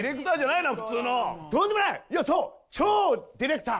いや超ディレクター。